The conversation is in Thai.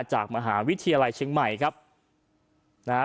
จากมหาวิทยาลัยเชียงใหม่ครับนะฮะ